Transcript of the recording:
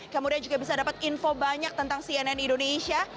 kemudian juga bisa dapat info banyak tentang cnn indonesia